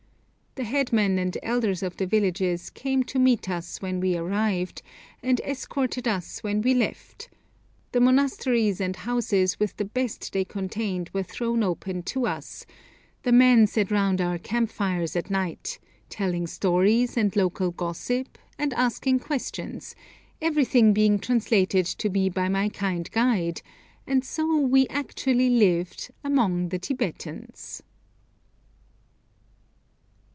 The headmen and elders of the villages came to meet us when we arrived, and escorted us when we left; the monasteries and houses with the best they contained were thrown open to us; the men sat round our camp fires at night, telling stories and local gossip, and asking questions, everything being translated to me by my kind guide, and so we actually lived 'among the Tibetans.'